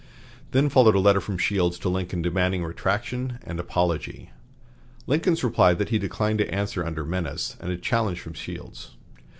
Then followed a letter from Shields to Lincoln demanding retraction and apology, Lincoln's reply that he declined to answer under menace, and a challenge from Shields.